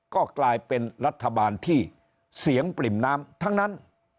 ก็กลายเป็นรัฐบาลที่เสียงปริ่มน้ำทั้งนั้น